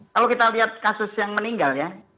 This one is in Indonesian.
kalau kita lihat kasus yang meninggal ya